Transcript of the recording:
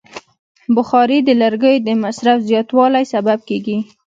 بخاري د لرګیو د مصرف زیاتوالی سبب کېږي.